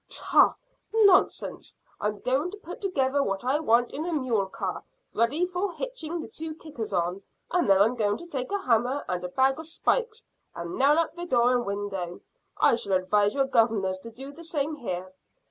"Tchah! Nonsense! I'm going to put together what I want in a mule car, ready for hitching the two kickers on, and then I'm going to take a hammer and a bag of spikes, and nail up the door and window. I shall advise your gov'nors to do the same here."